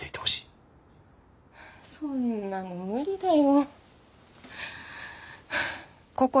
そんなの無理だよ。